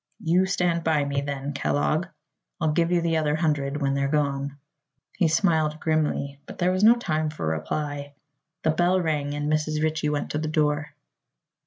"You stand by me, then, Kellogg. I'll give you the other hundred when they're gone." He smiled grimly, but there was no time for reply. The bell rang and Mrs. Ritchie went to the door.